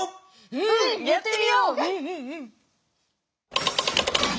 うんやってみよう！